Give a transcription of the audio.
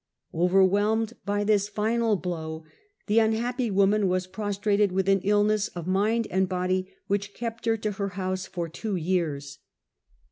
Overwhelmed by this final blow, the unhappy woman was prostrated with au illness of mind and body which kejit her to her house for two yeare.